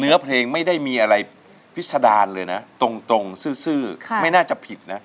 เนื้อเพลงไม่ได้มีอะไรพิษดารเลยนะตรงซื่อไม่น่าจะผิดนะ